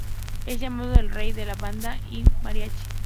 Es llamado el "Rey de la Banda y el Mariachi".